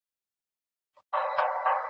مجلو او جريدو ډېر کلکسيونونه هم سته، چي په